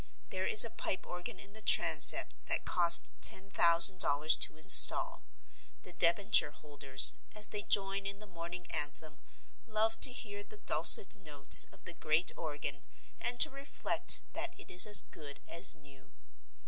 There is a pipe organ in the transept that cost ten thousand dollars to install. The debenture holders, as they join in the morning anthem, love to hear the dulcet notes of the great organ and to reflect that it is as good as new.